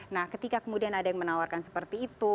nah ketika kemudian ada yang menawarkan seperti itu